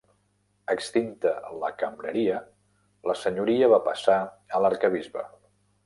Extinta la cambreria, la senyoria va passar a l'arquebisbe.